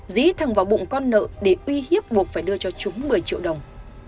dí thẳng vào bụng con nợ để uy hiếp buộc phải đưa cho chúng một mươi triệu đồng